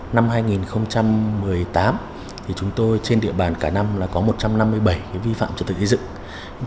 năm hai nghìn một mươi tám thì chúng tôi trên địa bàn cả năm là có một trăm năm mươi bảy cái vi phạm trật tự xây dựng